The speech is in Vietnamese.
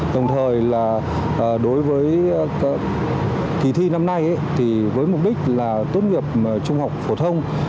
đồng thời là đối với kỳ thi năm nay thì với mục đích là tốt nghiệp trung học phổ thông